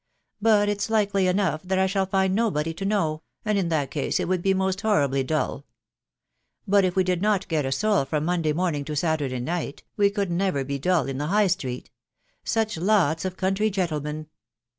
... But itfa likely enough ttort I shalli find nobody to know, and in tint case it would bemestfaoaribly dnlk ... But if we did net get a soul from Monday momingr to Saturday night, w« could' never be tttill in the High; Steeefc. Suolv lets of country gentlemen